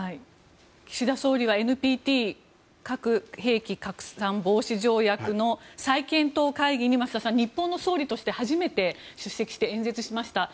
岸田総理がＮＰＴ・核兵器拡散防止条約の再検討会議に増田さん、日本の総理として初めて出席して演説しました。